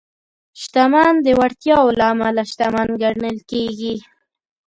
شتمن د وړتیاوو له امله شتمن ګڼل کېږي.